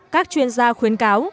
các chuyên gia khuyến cáo